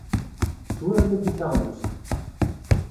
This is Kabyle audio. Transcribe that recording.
Swiɣ yagi taɣlust.